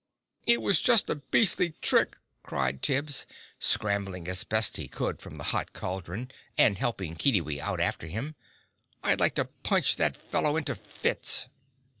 "It was just a beastly trick!" cried Tibbs, scrambling as best he could from the hot cauldron, and helping Kiddiwee out after him. "I'd like to punch that fellow into fits!"